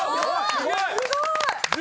すごい！